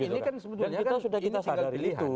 dan kita sudah kita sadari